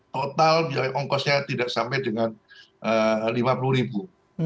total biaya ongkosnya tidak sampai dengan lima puluh ribu